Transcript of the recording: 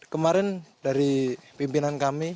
kemarin dari pimpinan kami